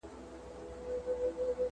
ښکاري ولیده په تور کي زرکه بنده ,